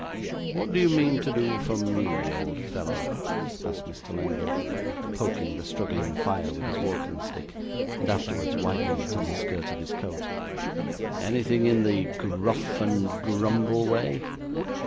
'What do you mean to do for me, old fellow?' asked Mr. Lenville, poking the struggling fire with his walking stick, and afterwards wiping it on the skirt of his coat. 'Anything in the gruff and grumble way?